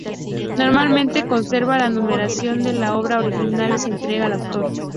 Normalmente conserva la numeración de la obra original, y se entrega al autor.